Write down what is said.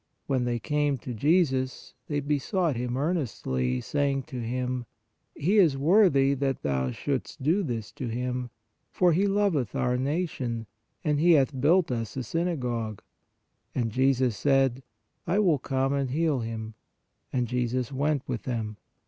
When they came to Jesus, they besought Him earnestly, saying to Him: He is worthy that Thou shouldst do this to him, for he loveth our nation, and he hath built us a synagogue. And Jesus said: I will come and heal him. And Jesus went with them.